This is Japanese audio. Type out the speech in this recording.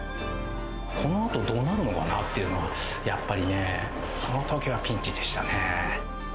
このあとどうなるのかなっていうのは、やっぱりね、そのときはピンチでしたね。